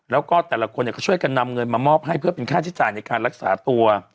แล้วก็แต่ละคนก็ช่วยกันนำเงินมามอบให้เพื่อเป็นค่าใช้จ่ายในการรักษาตัว